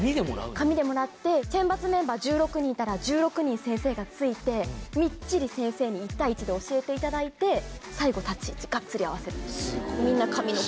紙でもらって、選抜メンバー１６人いたら１６人先生がついて、みっちり先生に１対１で教えていただいて、最後、立ち位置